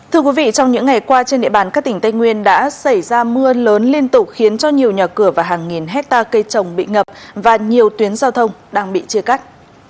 thưa quý vị trong những ngày qua trên địa bàn các tỉnh tây nguyên đã xảy ra mưa lớn liên tục khiến cho nhiều nhà cửa và hàng nghìn hectare cây trồng bị ngập và nhiều tuyến giao thông đang bị chia cắt